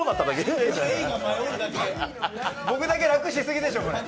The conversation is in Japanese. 僕だけ楽しすぎでしょ。